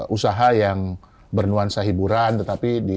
usaha yang bernuansa hiburan tetapi di